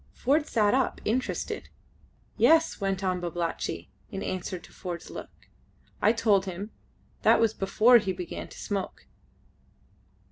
Ford sat up interested. "Yes," went on Babalatchi, in answer to Ford's look. "I told him. That was before he began to smoke."